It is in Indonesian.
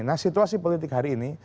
nah situasi politik hari ini